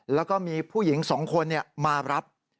แล้วก็มีผู้หญิง๒คนมารับ